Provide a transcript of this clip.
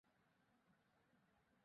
কিন্তু আমি তোমাকে কখনো দেখি নাই।